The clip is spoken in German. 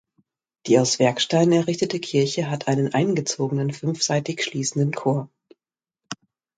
Die aus Werksteinen errichtete Kirche hat einen eingezogenen fünfseitig schließenden Chor.